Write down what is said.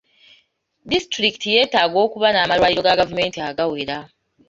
Disitulikiti yeetaaga okuba n'amalwaliro ga gavumenti agawera.